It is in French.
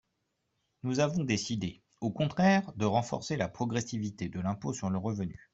Nous avons décidé, au contraire, de renforcer la progressivité de l’impôt sur le revenu.